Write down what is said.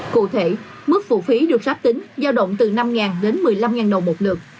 cụ thể mức phụ phí được sáp tính giao động từ năm đến một mươi năm đồng một lượt